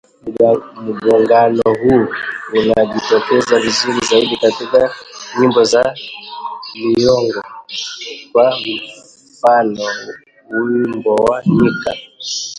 Mgongano huu unajitokeza vizuri zaidi katika nyimbo za Liyongo, kwa mfano wimbo wa nyika